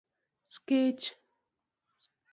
سکیچ